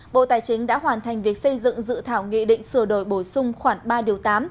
bộ tài chính đã hoàn thành việc xây dựng dự thảo nghị định sửa đổi bổ sung khoảng ba điều tám